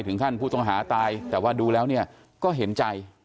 ถึงขั้นผู้ต้องหาตายแต่ว่าดูแล้วเนี่ยก็เห็นใจ